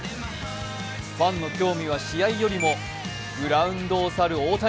ファンの興味は試合よりも、グラウンドを去る大谷。